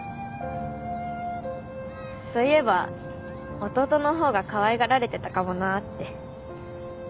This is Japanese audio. そういえば弟のほうがかわいがられてたかもなって。